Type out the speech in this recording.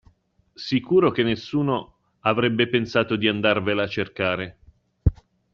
Sicuro che nessuno avrebbe pensato di andarvela a cercare.